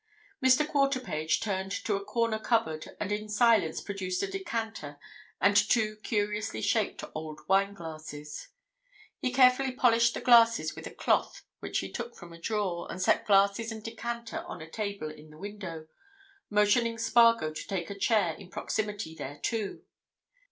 Mr. Quarterpage turned to a corner cupboard and in silence produced a decanter and two curiously shaped old wine glasses. He carefully polished the glasses with a cloth which he took from a drawer, and set glasses and decanter on a table in the window, motioning Spargo to take a chair in proximity thereto.